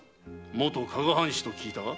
もと加賀藩士と聞いたが？